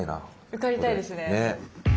受かりたいですね。ね！